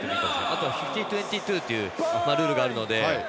あとは５０：２２というルールがあるので。